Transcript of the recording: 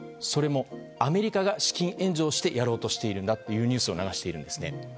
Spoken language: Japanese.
それもアメリカが資金援助をしてやろうとしているんだというニュースを流しているんです。